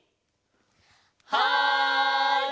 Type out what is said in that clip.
はい！